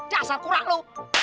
dasar kurang lu